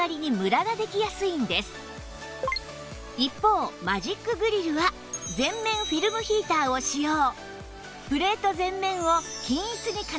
一方マジックグリルは全面フィルムヒーターを使用